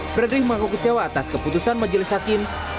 fredrik mengaku kecewa atas keputusan majelis hakim